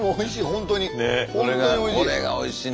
本当においしい。